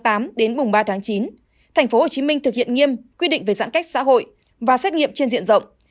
tp hcm thực hiện nghiêm quy định về giãn cách xã hội và xét nghiệm trên diện rộng